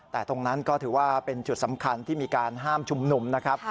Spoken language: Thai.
แต่ตรงนั้นก็ถือว่าเป็นจุดสำคัญที่มีการห้ามชุมนุมนะครับ